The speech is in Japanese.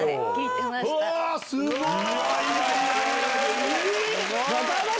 すごい。